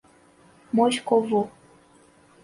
Moscovo